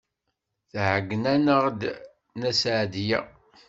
Tɛeyyen-aneɣ-d Nna Seɛdiya.